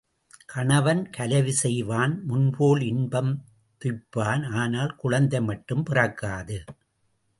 கணவன் கலவி செய்வான், முன்போல் இன்பம் துய்ப்பான், ஆனால் குழந்தை மட்டும் பிறக்காது.